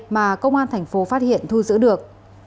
mà công an thành phố phát hiện thu giữ được